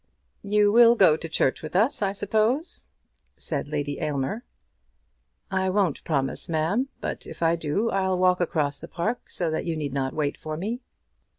"You will go to church with us, I suppose?" said Lady Aylmer. "I won't promise, ma'am; but if I do, I'll walk across the park, so that you need not wait for me."